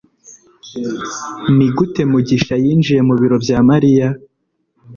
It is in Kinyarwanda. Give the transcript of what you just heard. Nigute mugisha yinjiye mu biro bya Mariya?